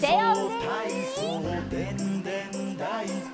「かいそうたいそうでんでんだいこ」